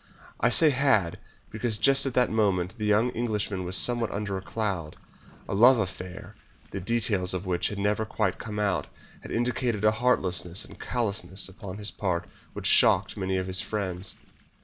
I say "had," because just at the moment the young Englishman was somewhat under a cloud. A love affair, the details of which had never quite come out, had indicated a heartlessness and callousness upon his part which shocked many of his friends.